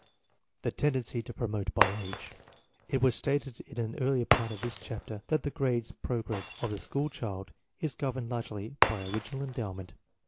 The tendency to promote by age. It was stated in an earlier part of this chapter that the grade progress of the school child is governed largely by original endowment.